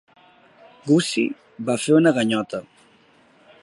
Gussie va fer una ganyota.